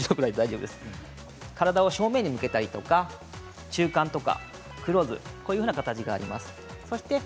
体を正面に向けたりとか中間とかクローズ、このような形があります。